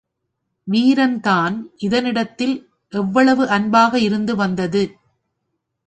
வீரன்தான் இதனிடத்தில் எவ்வளவு அன்பாக இருந்து வந்தது!